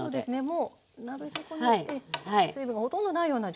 もう鍋底に水分がほとんどないような状態ですね。